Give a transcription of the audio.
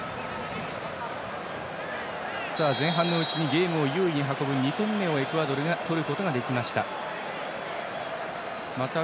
前半のうちにゲームを有利に運ぶ２点目をエクアドルが取ることができました。